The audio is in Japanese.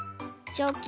チョキ。